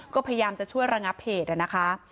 ก็พยายามจะช่วยระงับเหตุนะคะ